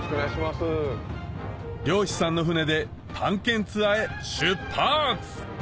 漁師さんの船で探検ツアーへ出発！